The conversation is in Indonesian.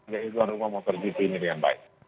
dan juga rumah rumah motor juri ini dengan baik